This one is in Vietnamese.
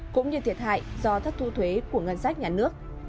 cũng như thiệt hại do thất thu thuế của ngân sách nhà nước